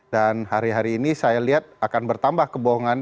dan hari hari ini saya lihat akan bertambah kebohongan